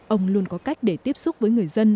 ông luôn có cách để tiếp xúc với người dân